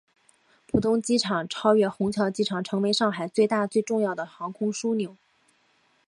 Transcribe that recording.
浦东机场超越虹桥机场成为上海最大最重要的航空枢纽。